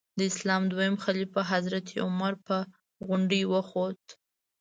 د اسلام دویم خلیفه حضرت عمر په غونډۍ وخوت.